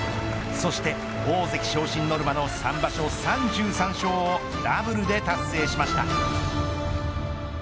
そして大関昇進のノルマの３場所３３勝をダブルで達成しました。